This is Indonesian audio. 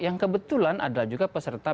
yang kebetulan adalah juga peserta